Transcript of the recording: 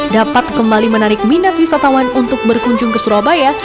dapat kembali menarik minat wisatawan untuk berkunjung ke surabaya